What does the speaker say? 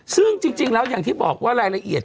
ซึ่งจริงแล้วอย่างที่บอกว่ารายละเอียด